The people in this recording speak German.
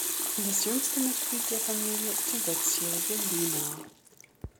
Das jüngste Mitglied der Familie ist die sechsjährige "Lena".